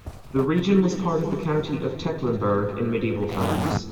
The region was part of the county of Tecklenburg in medieval times.